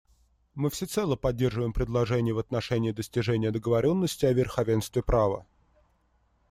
Мы всецело поддерживаем предложение в отношении достижения договоренности о верховенстве права.